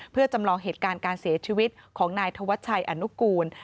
เพื่อจำลองเหตุการณ์การเสียชีวิตของนายธวัชชัยอนุกูล